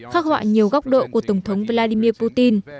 khắc họa nhiều góc độ của tổng thống vladimir putin